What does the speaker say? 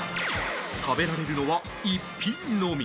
食べられるのは１品のみ